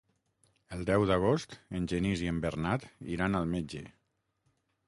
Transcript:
El deu d'agost en Genís i en Bernat iran al metge.